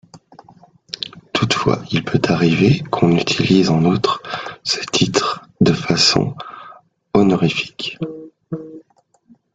Toutefois, il peut arriver qu'on utilise en outre ce titre de façon honorifique.